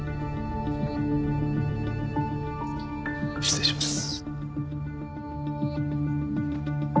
失礼します。